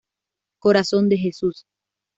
Corazón de Jesús.